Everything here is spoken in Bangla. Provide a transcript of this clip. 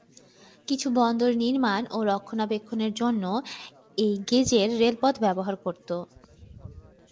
কিছু বন্দর নির্মাণ ও রক্ষণাবেক্ষণের জন্য এই গেজের রেলপথ ব্যবহার করত।